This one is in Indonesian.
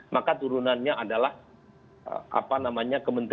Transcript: maka turunannya adalah kementerian investasi